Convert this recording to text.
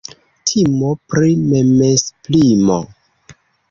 Timo pri memesprimo.